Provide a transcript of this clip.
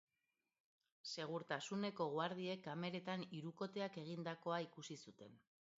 Segurtasuneko guardiek kameretan hirukoteak egindakoa ikusi zuten.